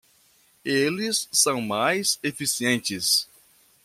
Eles são mais eficientes